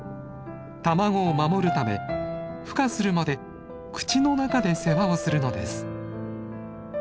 卵を守るためふ化するまで口の中で世話をするのです。